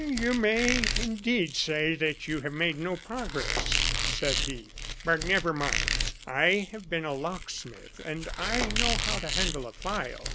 "You may indeed say that you have made no progress," said he; "but, never mind, I have been a locksmith, and I know how to handle a file."